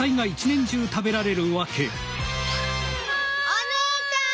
お姉ちゃん！